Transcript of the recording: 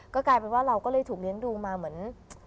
ก็กลายเป็นว่าเราก็เลยถูกเลี้ยงดูมาเหมือน